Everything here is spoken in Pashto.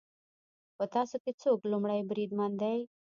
په تاسو کې څوک لومړی بریدمن دی